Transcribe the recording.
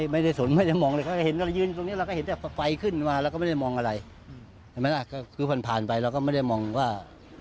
มันก็เหมือนไหม้หญ้าจุดหญ้าธรรมดา